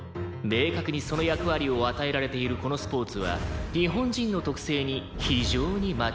明確にその役割を与えられているこのスポーツは日本人の特性に非常にマッチしています。